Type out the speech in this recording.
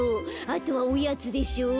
あとはおやつでしょ。